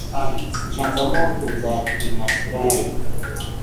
Changamoto za kimaslahi